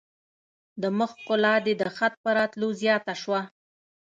د مخ ښکلا دي د خط په راتلو زیاته شوه.